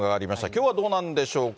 きょうはどうなんでしょうか。